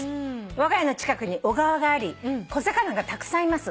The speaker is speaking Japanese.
「わが家の近くに小川があり小魚がたくさんいます」